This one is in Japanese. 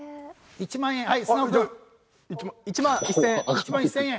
１万５０００円。